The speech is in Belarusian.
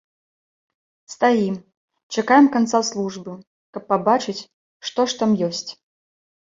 Стаім, чакаем канца службы, каб пабачыць, што ж там ёсць?